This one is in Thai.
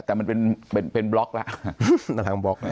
แต่มันเป็นบล็อกละ